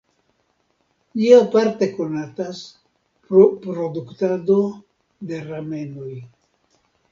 Ĝi aparte konatas pro produktado de ramenoj.